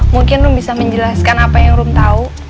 mungkin lu bisa menjelaskan apa yang rum tau